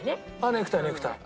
ネクタイネクタイ。